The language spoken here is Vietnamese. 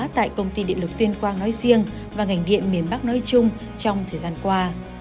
tại công ty điện lực tuyên quang nói riêng và ngành điện miền bắc nói chung trong thời gian qua